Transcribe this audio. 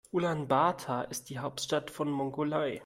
Ulaanbaatar ist die Hauptstadt von Mongolei.